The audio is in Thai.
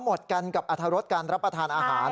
หมดกับอธรสการรับประทานอาหาร